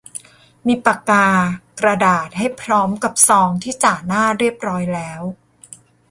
มีปากกา กระดาษ ให้พร้อมกับซองที่จ่าหน้าเรียบร้อยแล้ว